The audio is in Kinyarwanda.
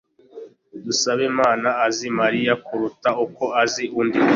Dusabemana azi Mariya kuruta uko azi undi.